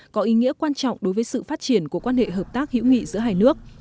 có ý nghĩa quan trọng đối với sự phát triển của quan hệ hợp tác hữu nghị giữa hai nước